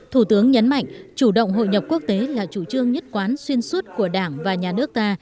thủ tướng nhấn mạnh chủ động hội nhập quốc tế là chủ trương nhất quán xuyên suốt của đảng và nhà nước ta